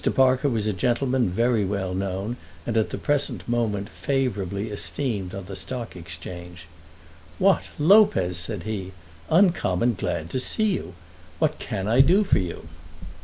Parker was a gentleman very well known and at the present moment favourably esteemed on the Stock Exchange. "What, Lopez!" said he. "Uncommon glad to see you. What can I do for you?"